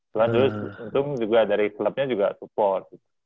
cuman terus untung juga dari klubnya juga support